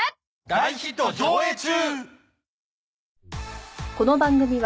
大ヒット上映中！